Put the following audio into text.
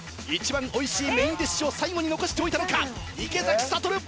一番おいしいメインディッシュを最後に残しておいたのか池崎慧